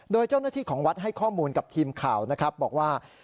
โดยเจ้าหน้าที่ของวัดให้ข้อมูลกับทีมข่าวนะครับบอกว่า